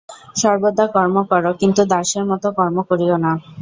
সর্বদা কর্ম কর, কিন্তু দাসের মত কর্ম করিও না।